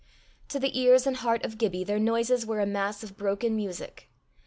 To the ears and heart of Gibbie their noises were a mass of broken music.